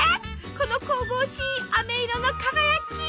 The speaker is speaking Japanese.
この神々しいあめ色の輝き。